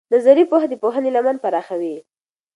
نظري پوهه د پوهنې لمن پراخوي.